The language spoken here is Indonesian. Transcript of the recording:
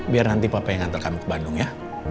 biar nanti papa yang ngantel kamu ke bandung ya